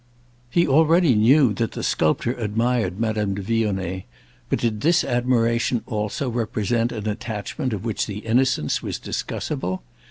He already knew that the sculptor admired Madame de Vionnet; but did this admiration also represent an attachment of which the innocence was discussable?